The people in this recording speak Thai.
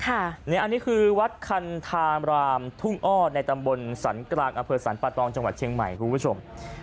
อันนี้คือวัดคันธามรามทุ่งอ้อในตำบลสันกลางอำเภอสรรปะตองจังหวัดเชียงใหม่คุณผู้ชม